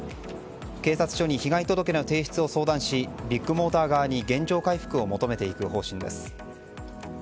警察署に被害届の提出を相談しビッグモーター側に原状回復を求めていく方針です。